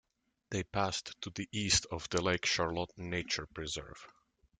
They pass to the east of the Lake Charlotte Nature Preserve.